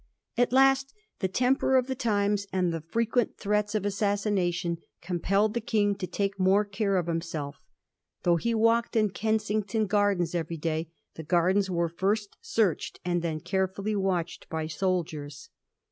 At last the temper of the times and the frequent threats of assassination compelled the King to take more care of himself. Though he walked in Kensington Gardens every day, the gardens were first searched, and then carefuUy watched by soldiers.